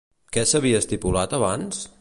Què s'havia estipulat abans?